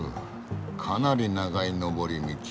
かなり長い上り道。